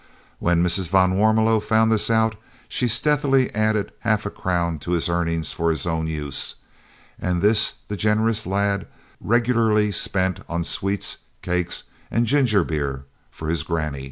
When Mrs. van Warmelo found this out she stealthily added half a crown to his earnings for his own use, and this the generous lad regularly spent on sweets, cakes, and gingerbeer for his granny!